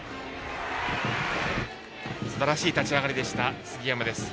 すばらしい立ち上がりでした杉山です。